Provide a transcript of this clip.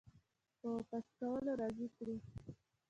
په واپس کولو راضي کړو